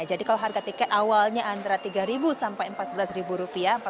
jadi kalau harga tiket awalnya antara rp tiga sampai rp empat belas